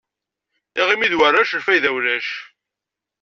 Iɣimi d warrac, lfayda ulac.